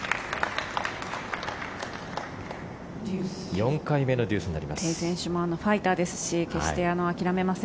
４回目のデュースになります。